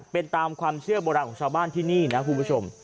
เป็นตามความเชื่อโบราณของชาวบ้านที่นี่นะคุณผู้ชม